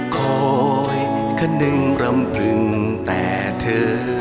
คอยแค่หนึ่งลำบึงแต่เธอ